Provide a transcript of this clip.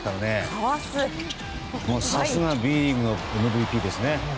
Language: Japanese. さすがＢリーグのＭＶＰですね。